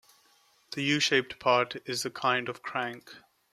The U-shaped part is a kind of crank.